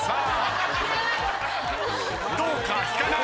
どうか！？